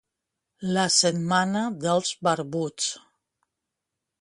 La setmana dels barbuts.